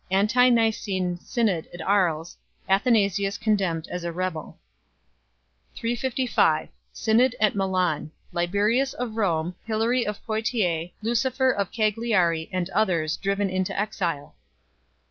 A. D. 353 Anti Nicene Synod at Aries ; Athanasius condemned as a rebel. 355 Synod at Milan. Liberius of Rome, Hilary of Poitiers, Lucifer of Cagliari, and others, driven into exile.